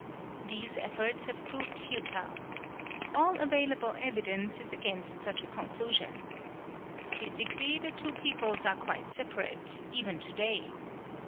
These efforts have proved futile. All available evidence is against such a conclusion. Physically the two peoples are quite separate, even to day.